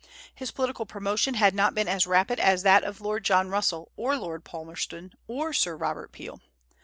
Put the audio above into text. His political promotion had not been as rapid as that of Lord John Russell or Lord Palmerston or Sir Robert Peel.